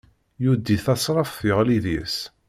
Yuddi tasraft yeɣli deg-s